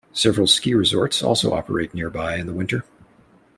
Several ski resorts also operate nearby in the winter.